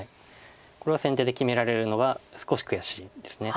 これを先手で決められるのは少し悔しいです。